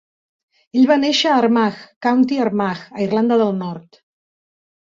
Ell va néixer a Armagh, County Armagh, a Irlanda del Nord.